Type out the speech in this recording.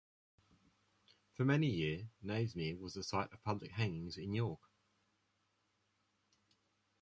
For many years, Knavesmire was the site of public hangings in York.